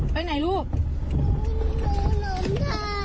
ไปไหนลูกหนูหลงทาง